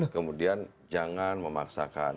kemudian jangan memaksakan